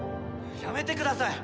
やめてください！